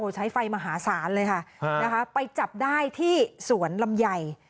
ใช้ไฟมหาศาลเลยค่ะนะคะไปจับได้ที่สวนลำไย